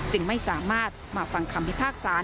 จึงไม่สามารถมาฟังคำพิพากษา